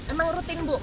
emang rutin bu